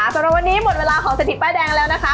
สำหรับวันนี้หมดเวลาของเศรษฐีป้ายแดงแล้วนะคะ